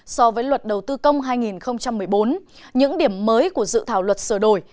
so với luật đầu tư công hai nghìn một mươi bốn những điểm mới của dự thảo luật sửa đổi